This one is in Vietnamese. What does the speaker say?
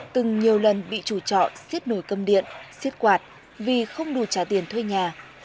từng nhiều lần bị chủ trọ xiết nổi cơm điện xiết quạt vì không đủ trả tiền thuê nhà